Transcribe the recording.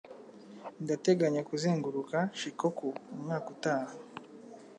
Ndateganya kuzenguruka Shikoku umwaka utaha.